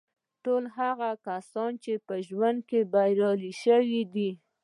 ټول هغه کسان چې په ژوند کې بریالي شوي دي